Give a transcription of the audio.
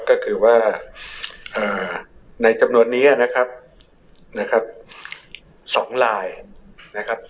ก็คือว่าเอ่อในจำนวนนี้อ่ะนะครับนะครับสองลายนะครับ